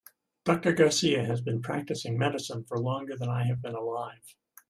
Doctor Garcia has been practicing medicine for longer than I have been alive.